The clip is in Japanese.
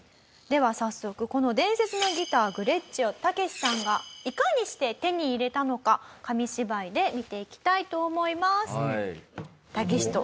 では早速この伝説のギターグレッチをタケシさんがいかにして手に入れたのか紙芝居で見ていきたいと思います。